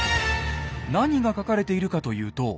何が書かれているかというと。